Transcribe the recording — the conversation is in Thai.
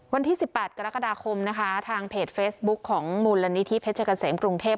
วันที่๑๘กรกฎาคมนะคะทางเพจเฟซบุ๊คของมูลนิธิเพชรเกษมกรุงเทพ